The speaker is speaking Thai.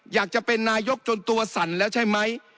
อยากจะเป็นนายกจนตัวสั่นแล้วใช่ไหม